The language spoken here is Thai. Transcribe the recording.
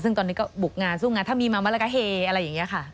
ซึ่งตอนนี้ก็บุกงานสู้งานถ้ามีมามะละกะเฮอะไรแบบนี้น่ะค่ะ